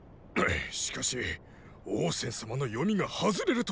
しかし王翦様の読みが外れるとは。